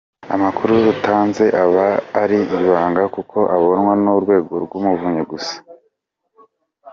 Amakuru utanze aba ari ibanga kuko abonwa n’Urwego rw’Umuvunyi gusa.